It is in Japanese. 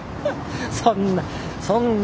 そんな